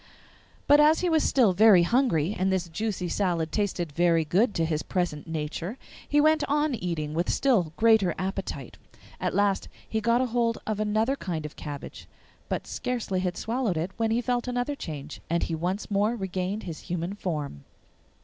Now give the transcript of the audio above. But as he was still very hungry and this juicy salad tasted very good to his present nature, he went on eating with a still greater appetite. At last he got hold of another kind of cabbage, but scarcely had swallowed it when he felt another change, and he once more regained his human form.